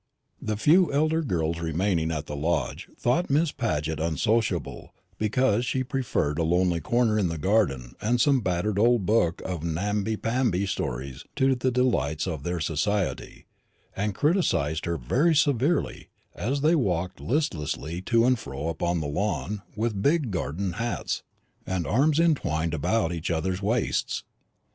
The few elder girls remaining at the Lodge thought Miss Paget unsociable because she preferred a lonely corner in the gardens and some battered old book of namby pamby stories to the delights of their society, and criticised her very severely as they walked listlessly to and fro upon the lawn with big garden hats, and arms entwined about each other's waists.